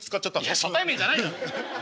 いや初対面じゃないだろ！